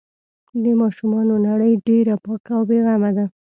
د ماشومانو نړۍ ډېره پاکه او بې غمه ده.